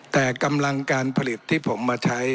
แต่กำลังการผลิตที่ผมมาใช้